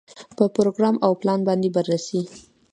په پروګرام او پلان باندې بررسي.